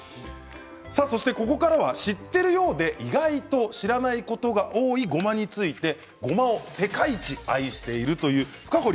そしてここからは知っているようで意外と知らないことが多いごまについてごまを世界一愛しているという深堀